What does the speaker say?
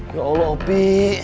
ya allah opi